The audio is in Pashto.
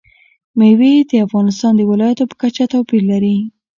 مېوې د افغانستان د ولایاتو په کچه توپیر لري.